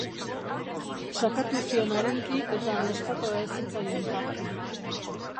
Sakatu zion arinki, eta neskatoa ez zitzaion jarki.